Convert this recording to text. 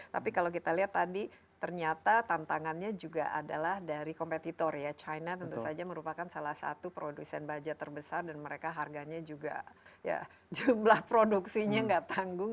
tapi kalau kita lihat tadi ternyata tantangannya juga adalah dari kompetitor ya china tentu saja merupakan salah satu produsen baja terbesar dan mereka harganya juga ya jumlah produksinya nggak tanggung